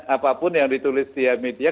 apapun yang ditulis di media